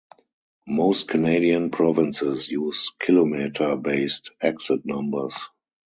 Most Canadian provinces use kilometre-based exit numbers.